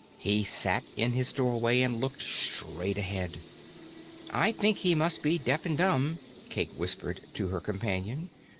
He sat in his doorway and looked straight ahead. "I think he must be deaf and dumb," Cayke whispered to her companion.